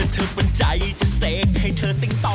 น้ำน้ำโอเค